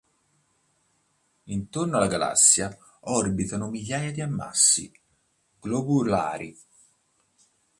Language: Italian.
Intorno alla galassia orbitano migliaia di ammassi globulari.